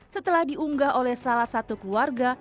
setelah diunggah oleh salah satu keluarga